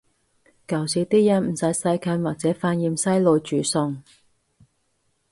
舊時啲人唔使西芹或者番芫茜來煮餸